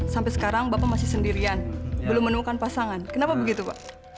sampai sekarang bapak masih sendirian belum menemukan pasangan kenapa begitu pak